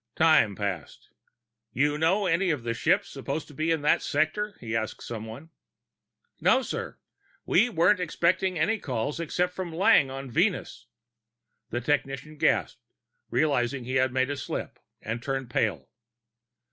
Time passed. "You know of any ships supposed to be in that sector?" he asked someone. "No, sir. We weren't expecting any calls except from Lang on Venus " The technician gasped, realizing he had made a slip, and turned pale.